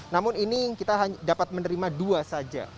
namun ini kita dapat menerima dua saja